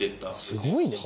すごいね。